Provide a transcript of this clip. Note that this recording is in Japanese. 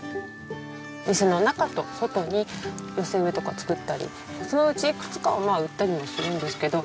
店の中と外に寄せ植えとか作ったりそのうちいくつかは売ったりもするんですけど。